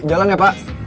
jalan ya pak